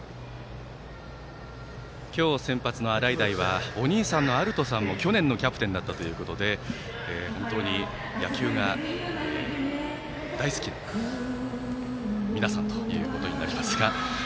今日先発の洗平はお兄さんの歩人さんも去年のキャプテンだったということで本当に野球が大好きな皆さんということになりますが。